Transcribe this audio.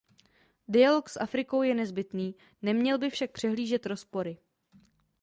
Dialog s Afrikou je nezbytný, neměl by však přehlížet rozpory.